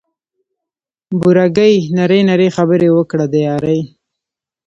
بوره ګي نري نري خبري وکړه د یاري